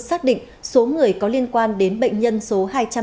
xác định số người có liên quan đến bệnh nhân số hai trăm ba mươi